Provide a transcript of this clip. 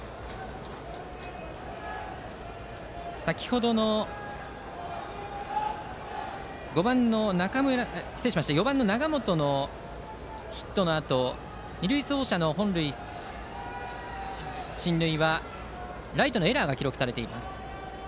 先程の４番の永本のヒットのあと二塁走者の本塁進塁はライトのエラーが記録されています。